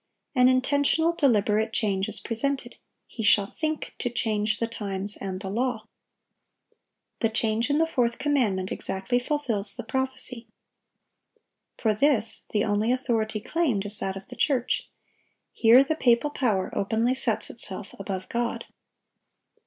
An intentional, deliberate change is presented: "He shall think to change the times and the law." The change in the fourth commandment exactly fulfils the prophecy. For this the only authority claimed is that of the church. Here the papal power openly sets itself above God.